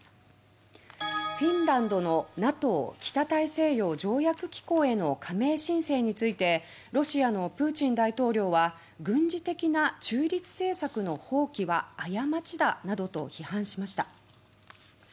フィンランドのＮＡＴＯ・北大西洋条約機構への加盟申請についてロシアのプーチン大統領は「軍事的な中立政策の放棄は過ちだ」などと批判しました。